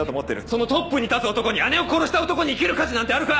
そのトップに立つ男に姉を殺した男に生きる価値なんてあるか！？